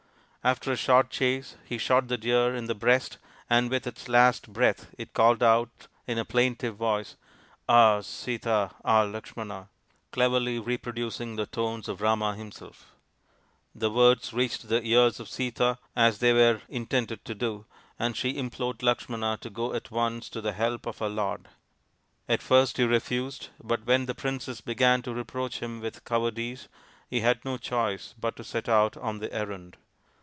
After a short chase he shot the deer in the breast and with its last breath it called out in a plaintive voice, " Ah, Sita ! Ah, Lakshmana !" cleverly reproducing the tones of Rama himself. The words reached the ears 26 THE INDIAN STORY BOOK of Sita, as they were intended to do, and she implored Lakshmana to go at once to the help of her lord. At first he refused, but when the princess began to reproach him with cowardice he had no choice but to set out on the errand.